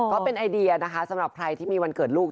ก็เป็นไอเดียนะคะสำหรับใครที่มีวันเกิดลูก